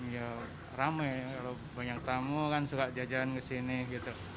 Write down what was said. ya ramai kalau banyak tamu kan suka jajan kesini gitu